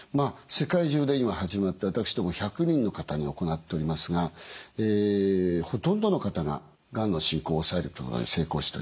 世界中で今始まって私ども１００人の方に行っておりますがほとんどの方ががんの進行を抑えることに成功しております。